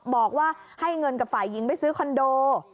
บอกว่าให้เงินกับฝ่ายหญิงไปซื้อคอนโด